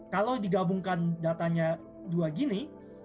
kalau digabungkan datanya dua gini